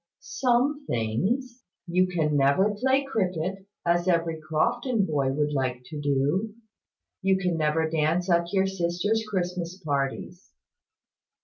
"Some things. You can never play cricket, as every Crofton boy would like to do. You can never dance at your sisters' Christmas parties."